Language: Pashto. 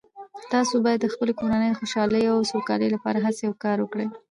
تاسو باید د خپلې کورنۍ د خوشحالۍ او سوکالۍ لپاره هڅې او کار وکړئ